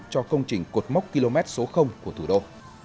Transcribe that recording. cho công trình cột mốc km số của thủ đô